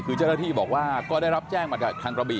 คือเจ้าหน้าที่บอกว่าก็ได้รับแจ้งมาจากทางกระบี